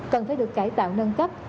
cần phải được cải tạo nâng cấp